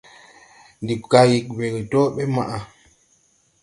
Ndi gay we dɔɔ ɓɛ maʼa.